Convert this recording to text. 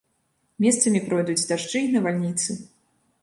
Месцамі пройдуць дажджы і навальніцы.